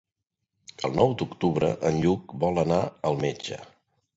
El nou d'octubre en Lluc vol anar al metge.